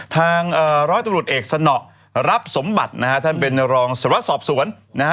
ร้อยตำรวจเอกสนรับสมบัตินะฮะท่านเป็นรองสวรรสอบสวนนะฮะ